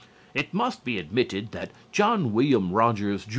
It must be admitted that John William Rogers Jr.